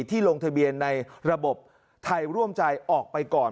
ลงทะเบียนในระบบไทยร่วมใจออกไปก่อน